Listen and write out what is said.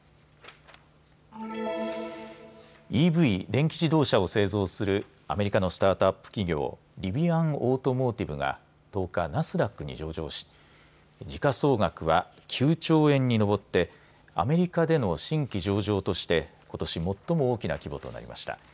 ＥＶ・電気自動車を製造するアメリカのスタートアップ企業リビアン・オートモーティブが１０日、ナスダックに上場し時価総額は９兆円に上ってアメリカでの新規上場としてことし最も大きな規模となりました。